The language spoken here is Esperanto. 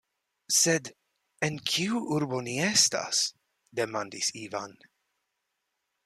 Sed en kiu urbo ni estas?demandis Ivan.